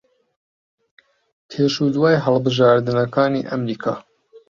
پێش و دوای هەڵبژاردنەکانی ئەمریکا